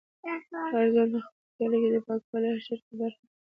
هر ځوان باید په خپل کلي کې د پاکوالي په حشر کې برخه واخلي.